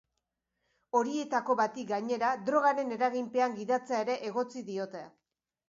Horietako bati, gainera, drogaren eraginpean gidatzea ere egotzi diote.